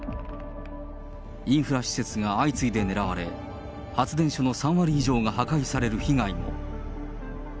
インフラ施設が相次いで狙われ、発電所の３割以上が破壊される被害も。